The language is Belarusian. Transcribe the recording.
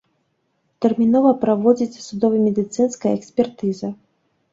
Тэрмінова праводзіцца судова-медыцынская экспертыза.